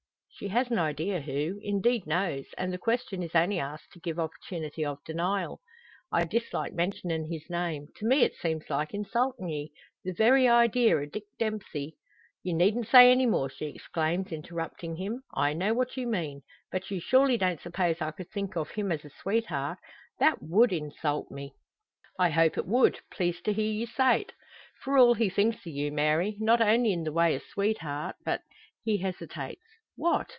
She has an idea who indeed knows; and the question is only asked to give opportunity of denial. "I dislike mentionin' his name. To me it seems like insultin' ye. The very idea o' Dick Dempsey " "You needn't say more," she exclaims, interrupting him. "I know what you mean. But you surely don't suppose I could think of him as a sweetheart? That would insult me." "I hope it would; pleezed to hear you say't. For all, he thinks o' you, Mary; not only in the way o' sweetheart, but " He hesitates. "What?"